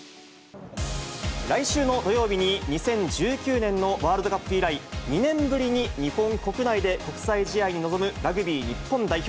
来週の土曜日に、２０１９年のワールドカップ以来、２年ぶりに日本国内で国際試合に臨むラグビー日本代表。